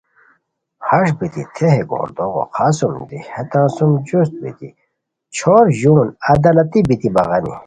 ہݰ بیتی تھے ہے گوردوغو خڅوم دی ہیتان سوم جوست بیتی چھور ژون عدالتی بیتی بغانی